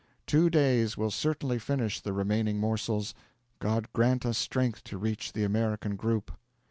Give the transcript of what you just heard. Two days will certainly finish the remaining morsels. God grant us strength to reach the American group!'